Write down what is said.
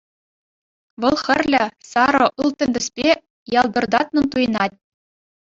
Вӑл хӗрлӗ, сарӑ, ылтӑн тӗспе ялтӑртатнӑн туйӑнать.